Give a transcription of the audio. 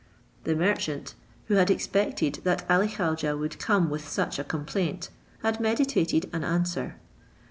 The merchant, who had expected that Ali Khaujeh would come with such a complaint, had meditated an answer.